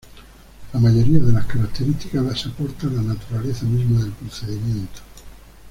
La mayoría de las características las aporta la naturaleza misma del procedimiento.